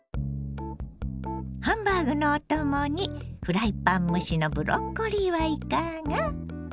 ハンバーグのお供にフライパン蒸しのブロッコリーはいかが？